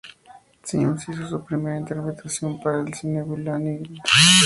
Sims hizo su primera interpretación para el cine en "Will Any Gentleman?